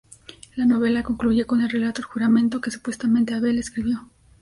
La novela concluye con el relato "El juramento", que supuestamente Abel escribió.